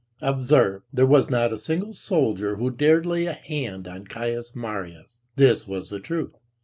Observe, there was not a single soldier who dared lay a hand on Caius Marius; this was the truth.